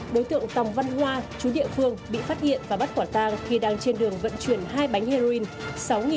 đối tượng tòng văn hoa chú địa phương bị phát hiện và bắt quả tang khi đang trên đường vận chuyển hai bánh heroin